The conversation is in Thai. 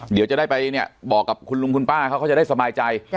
เดี๋ยวจะได้ไปเนี่ยบอกกับคุณลุงคุณป้าเขาก็จะได้สบายใจ